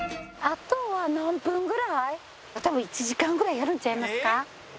多分１時間ぐらいやるんちゃいますか？